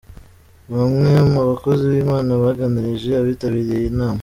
Bamwe mu bakozi b'Imana baganirije abitabiriye iyi nama.